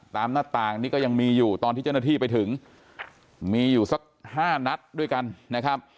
หน้าต่างนี้ก็ยังมีอยู่ตอนที่เจ้าหน้าที่ไปถึงมีอยู่สักห้านัดด้วยกันนะครับ